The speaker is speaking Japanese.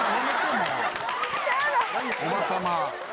おばさま。